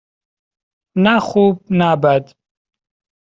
نه خوب - نه بد.